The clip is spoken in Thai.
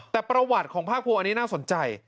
แต่ประวัติของภาคภูมิอันนี้น่าสนใจ